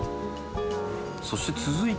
そして続いて。